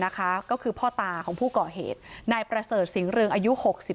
ก็คือพ่อตาของผู้ก่อเหตุนายประเสริฐสิงห์เรืองอายุ๖๒